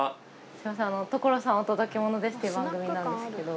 『所さんお届けモノです！』っていう番組なんですけど。